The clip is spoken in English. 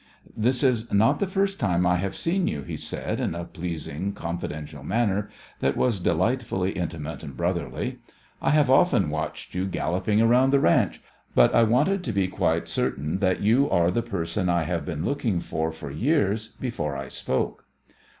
"This is not the first time I have seen you," he said in a pleasing, confidential manner that was delightfully intimate and brotherly. "I have often watched you galloping about on the ranch, but I wanted to be quite certain that you are the person I have been looking for for years before I spoke."